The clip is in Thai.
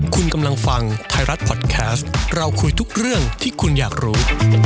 คุณกำลังฟังไทยรัฐพอดแคสต์เราคุยทุกเรื่องที่คุณอยากรู้